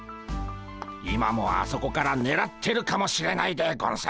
今もあそこからねらってるかもしれないでゴンス。